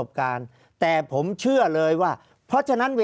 ภารกิจสรรค์ภารกิจสรรค์